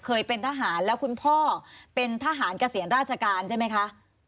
เคยเป็นทหารแล้วคุณพ่อเป็นทหารเกษียณราชการใช่ไหมคะ